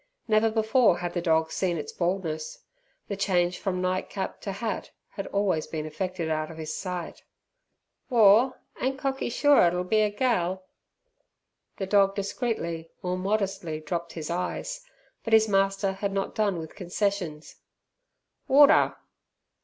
Never before had the dog seen its baldness. The change from night cap to hat had always been effected out of his sight. "War, ain't cocky sure it'll be a gal?" The dog discreetly or modestly dropped his eyes, but his master had not done with concessions. "Warder!"